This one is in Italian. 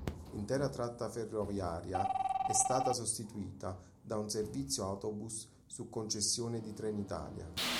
L'intera tratta ferroviaria è stata sostituita da un servizio autobus, su concessione di Trenitalia.